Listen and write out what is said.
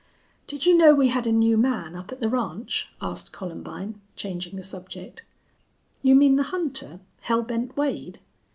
"Did you know we had a new man up at the ranch?" asked Columbine, changing the subject. "You mean the hunter, Hell Bent Wade?"